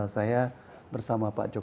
saya bersama pak joko